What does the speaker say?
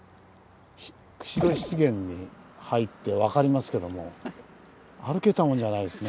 釧路湿原に入って分かりますけども歩けたもんじゃないですね。